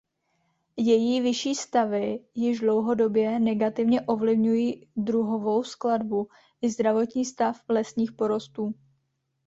Její vyšší stavy již dlouhodobě negativně ovlivňují druhovou skladbu i zdravotní stav lesních porostů.